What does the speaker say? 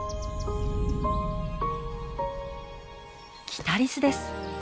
キタリスです。